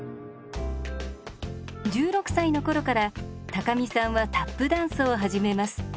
１６歳のころから高見さんはタップダンスを始めます。